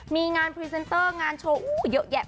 มีงานนี้ทำเอานุนิวอดปลื้มใจไม่ได้จริง